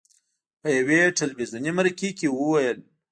په یوې تلویزوني مرکې کې وویل: